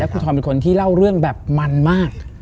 คุณธอมเป็นคนที่เล่าเรื่องแบบมันมาก